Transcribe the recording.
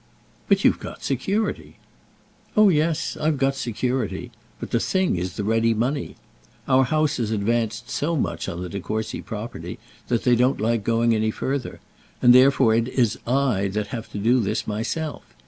"But you've got security." "Oh, yes; I've got security. But the thing is the ready money. Our house has advanced so much on the Courcy property, that they don't like going any further; and therefore it is that I have to do this myself.